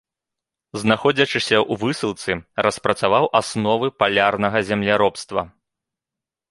Знаходзячыся ў высылцы, распрацаваў асновы палярнага земляробства.